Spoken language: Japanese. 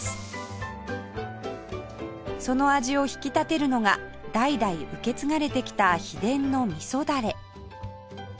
その味を引き立てるのが代々受け継がれてきた秘伝の味噌ダレ